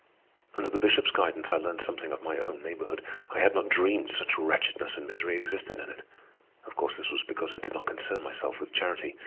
Under the Bishop's guidance I learned something of my own neighborhood. I had not dreamed such wretchedness and misery existed in it. Of course, this was because I did not concern myself with charity.